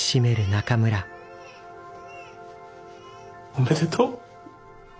おめでとう。